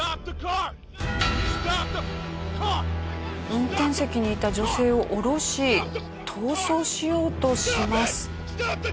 運転席にいた女性を降ろし逃走しようとします。